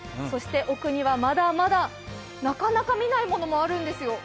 奥にはまだまだ、なかなか見ないものもあるんですよ。